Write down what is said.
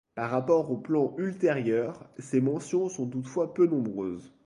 Par rapport aux plans ultérieurs, ces mentions sont toutefois peu nombreuses.